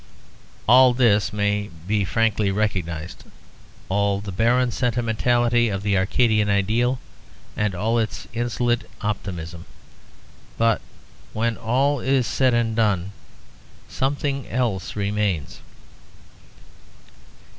All this may be frankly recognised: all the barren sentimentality of the Arcadian ideal and all its insolent optimism. But when all is said and done, something else remains.